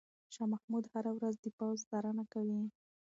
شاه محمود هره ورځ د پوځ څارنه کوي.